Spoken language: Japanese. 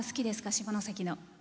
下関の。